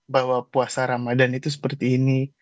bahwa puasa ramadhan itu seperti ini